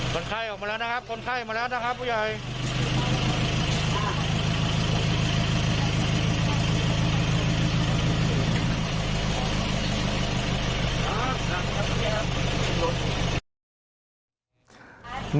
คนไข้ออกมาแล้วนะครับคนไข้มาแล้วนะครับผู้ใหญ่